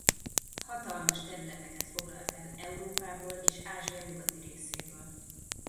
Hatalmas területeket foglalt el Európából és Ázsia nyugati részéből.